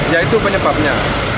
ya itu penyebabnya